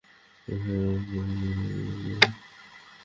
হ্যাঁ, পূজা।